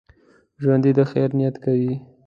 ژوندي د خیر نیت کوي